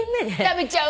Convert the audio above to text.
食べちゃう。